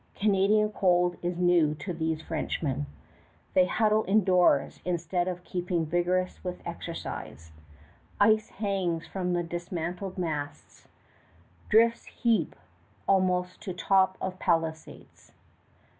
Canadian cold is new to these Frenchmen. They huddle indoors instead of keeping vigorous with exercise. Ice hangs from the dismantled masts. Drifts heap almost to top of palisades.